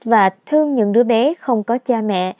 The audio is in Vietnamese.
và thương những đứa bé không có cha mẹ